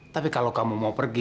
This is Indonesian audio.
tapi kalau kamu mau pergi